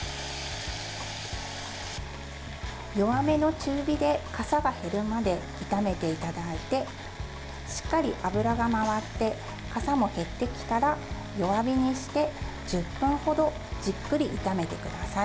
弱めの中火でかさが減るまで炒めていただいてしっかり油が回ってかさも減ってきたら弱火にして１０分程じっくり炒めてください。